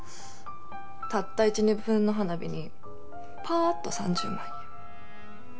たった１２分の花火にパーッと３０万円。